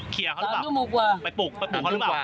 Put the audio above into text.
เขียลเขารึเปล่าไปปลูกเขารึเปล่า